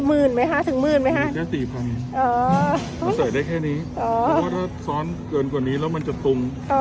มือไหมคะถึงมือไหมค่ะเออซ้อนกว่านี้แล้วมันจะตุ่มเออ